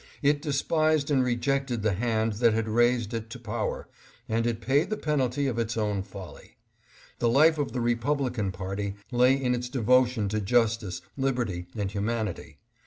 It despised and rejected the hand that had raised it to power, and it paid the penalty of its own folly. The life of the Republican party lay in its de votion to justice, liberty and humanity.